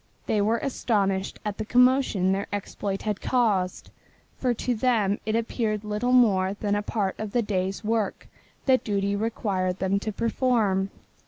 They were astonished at the commotion their exploit had caused, for to them it appeared little more than a part of the day's work that duty required them to perform.